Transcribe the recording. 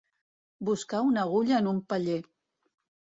Buscar una agulla en un paller.